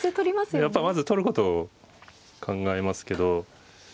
やっぱまず取ることを考えますけど。